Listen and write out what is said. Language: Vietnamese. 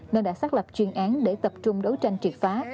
nên đã xác lập chuyên án để tập trung đấu tranh triệt phá